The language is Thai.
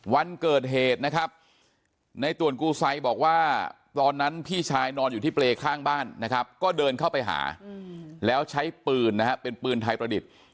วันเกิดเหตุนะครับในต่วนกูไซบอกว่าตอนนั้นพี่ชายนอนอยู่ที่เปรย์ข้างบ้านนะครับก็เดินเข้าไปหาแล้วใช้ปืนนะฮะเป็นปืนไทยประดิษฐ์